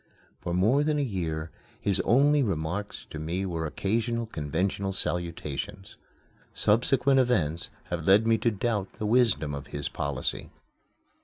For more than a year his only remarks to me were occasional conventional salutations. Subsequent events have led me to doubt the wisdom of his policy.